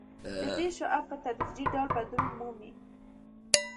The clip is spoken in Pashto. د دې شعاع په تدریجي ډول بدلون مومي